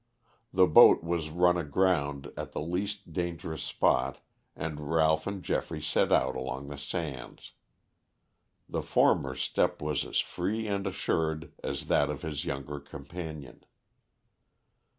The boat was run aground at the least dangerous spot and Ralph and Geoffrey set out along the sands. The former's step was as free and assured as that of his younger companion.